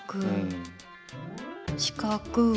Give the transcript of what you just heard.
四角。